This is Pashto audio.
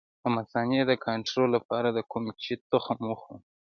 د مثانې د کنټرول لپاره د کوم شي تخم وخورم؟